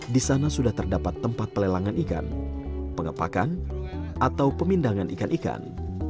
di sana sudah terdapat tempat pelelangan ikan pengepakan atau pemindangan ikan ikan